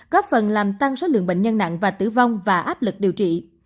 góp phần làm tăng số lượng bệnh nhân nặng và tử vong và áp lực điều trị